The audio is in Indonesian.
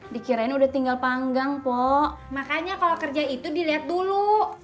dikirain udah tinggal panggang po makanya kalau kerja itu dilihat dulu